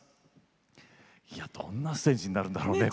どんなステージになるんだろうね。